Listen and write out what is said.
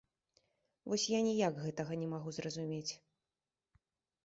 Вось я ніяк гэтага не магу зразумець.